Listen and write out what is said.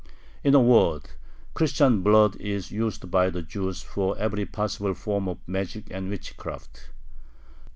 In a word, Christian blood is used by the Jews for every possible form of magic and witchcraft.